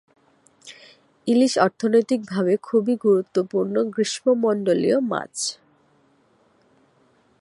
ইলিশ অর্থনৈতিক ভাবে খুব গুরুত্বপূর্ণ গ্রীষ্মমন্ডলীয় মাছ।